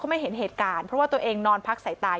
ไม่เห็นเหตุการณ์เพราะว่าตัวเองนอนพักใส่ตาย